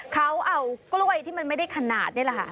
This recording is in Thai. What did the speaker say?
เขาเอากล้วยที่มันไม่ได้ขนาดนี่แหละค่ะ